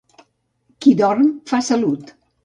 Qui dorm fa salut.